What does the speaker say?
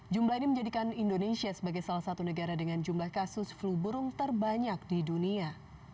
jumlah ini menjadikan indonesia sebagai salah satu negara dengan jumlah kasus flu burung terbanyak di dunia